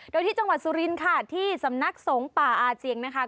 โดยที่จังหวัดสุรินทร์ค่ะที่สำนักสงฆ์ป่าอาเจียงนะคะ